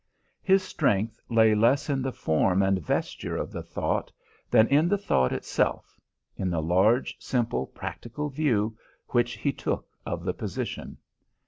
His strength lay less in the form and vesture of the thought than in the thought itself, in the large, simple, practical view which he took of the position.